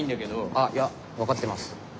あっいや分かってます。